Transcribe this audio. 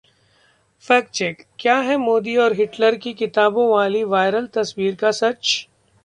Fact check: क्या है मोदी और हिटलर की किताबों वाली वायरल तस्वीर का सच?